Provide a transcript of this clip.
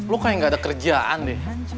lu kayak gak ada kerjaan deh